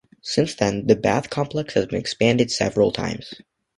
Since then, the bath complex has been expanded several times.